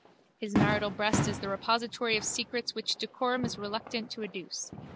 His marital breast is the repository of secrets which decorum is reluctant to adduce.